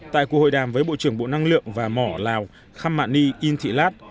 tại cuộc hội đàm với bộ trưởng bộ năng lượng và mỏ lào khải mạ ni yên thị lát